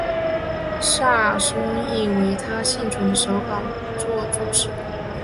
萨松亦为他幸存的手稿作注释。